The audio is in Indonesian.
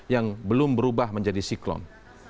yang belum berubah menjadi siklon